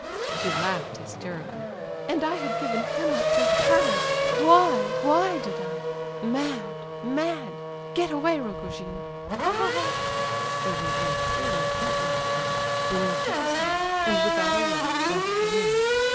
she laughed hysterically. "And I had given him up to her! Why—why did I? Mad—mad! Get away, Rogojin! Ha, ha, ha!" Rogojin stared intently at them; then he took his hat, and without a word, left the room.